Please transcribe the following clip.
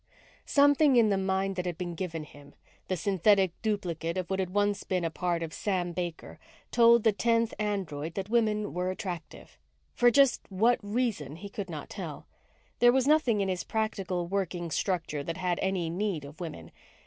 Something in the mind that had been given him the synthetic duplicate of what had once been a part of Sam Baker told the tenth android that women were attractive. For just what reason, he could not tell. There was nothing in his practical working structure that had any need of women.